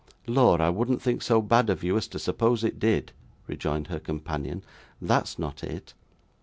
'Lor! I wouldn't think so bad of you as to suppose it did,' rejoined her companion. 'That's not it.